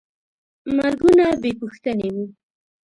مرګونه بېپوښتنې وو.